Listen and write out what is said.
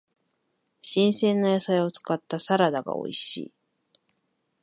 新鮮な野菜を使ったサラダが美味しい。